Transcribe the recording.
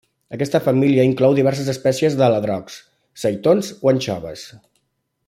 Aquesta família inclou diverses espècies d'aladrocs, seitons o anxoves.